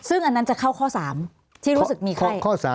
ซึ่งอันนั้นจะเข้าข้อ๓ที่รู้สึกมีข้อ๓